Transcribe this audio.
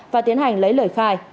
và tiến hành lấy lời khai